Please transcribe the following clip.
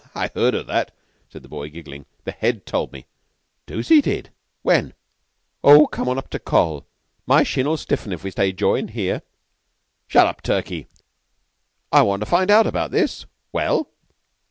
"I heard of that," said the boy, giggling. "The Head told me." "Dooce he did! When?" "Oh, come on up to Coll. My shin'll stiffen if we stay jawin' here." "Shut up, Turkey. I want to find out about this. Well?"